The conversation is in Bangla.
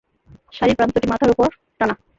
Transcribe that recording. শাড়ির প্রান্তটি মাথার উপর টানা।